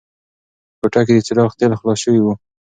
په کوټه کې د څراغ تېل خلاص شوي وو.